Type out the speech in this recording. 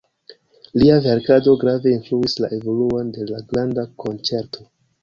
Lia verkado grave influis la evoluon de la granda konĉerto.